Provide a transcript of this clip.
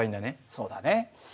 そうだね。